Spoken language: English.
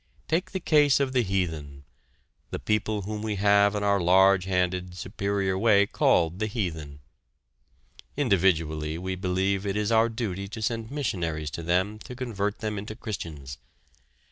Take the case of the heathen the people whom we in our large handed, superior way call the heathen. Individually we believe it is our duty to send missionaries to them to convert them into Christians.